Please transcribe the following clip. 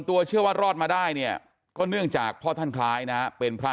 เชื่อว่ารอดมาได้เนี่ยก็เนื่องจากพ่อท่านคล้ายนะเป็นพระ